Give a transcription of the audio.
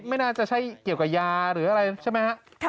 ไม่น่าจะใช่เกี่ยวกับยาหรืออะไรใช่ไหมฮะ